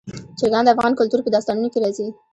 چرګان د افغان کلتور په داستانونو کې راځي.